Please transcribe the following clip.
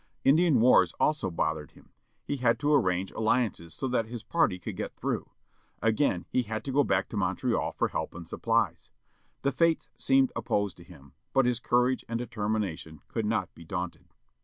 Indian wars also bothered him. He had to arrange alliances so that his party could get through. Again he had to go back to Montreal for help and supplies. The fates seemed opposed to him, but his courage and de termination could not be daunted.